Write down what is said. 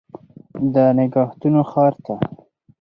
د نګهتونو ښار ته